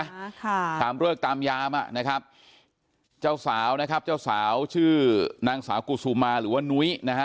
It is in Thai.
ค่ะตามเลิกตามยามอ่ะนะครับเจ้าสาวนะครับเจ้าสาวชื่อนางสาวกุศุมาหรือว่านุ้ยนะฮะ